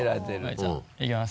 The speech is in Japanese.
じゃあいきます。